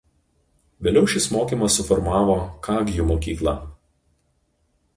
Vėliau šis mokymas suformavo Kagju mokyklą.